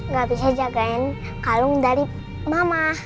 gak bisa jagain kalung dari mama